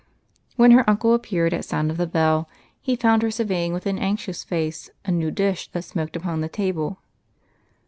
When her uncle appeared at sound of the bell, he found her surveying with an anxious face a new dish that smoked upon the table.